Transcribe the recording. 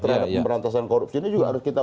dan pemberantasan korupsi ini juga harus kita